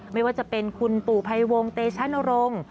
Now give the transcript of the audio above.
ไม่ว่าจะเป็นคุณปู่ภัยวงเตชะนรงค์